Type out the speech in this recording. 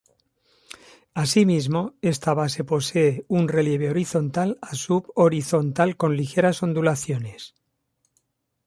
Asimismo, esta base posee un relieve horizontal a sub-horizontal con ligeras ondulaciones.